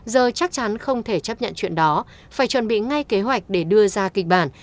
giờ chắc chắn không thể chấp nhận chuyện đó phải chuẩn bị ngay kế hoạch để đưa ra kịch bản